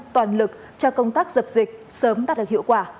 toàn lực cho công tác dập dịch sớm đạt được hiệu quả